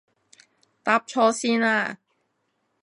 搭錯線呀